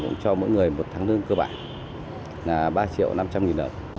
cũng cho mỗi người một tháng lương cơ bản là ba triệu năm trăm linh nghìn đồng